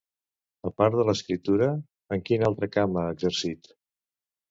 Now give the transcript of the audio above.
A part de l'escriptura, en quin altre camp ha exercit?